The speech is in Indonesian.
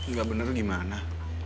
nggak bener gimana